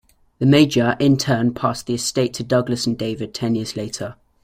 The Major in turn passed the estate to Douglas and David ten years later.